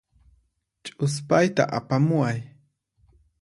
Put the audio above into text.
Ch'uspayta apamuway.